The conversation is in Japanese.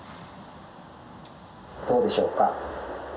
どうでしょうか？